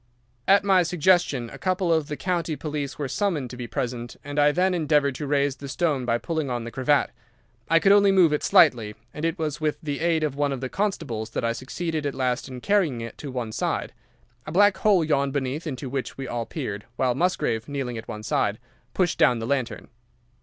"At my suggestion a couple of the county police were summoned to be present, and I then endeavoured to raise the stone by pulling on the cravat. I could only move it slightly, and it was with the aid of one of the constables that I succeeded at last in carrying it to one side. A black hole yawned beneath into which we all peered, while Musgrave, kneeling at the side, pushed down the lantern.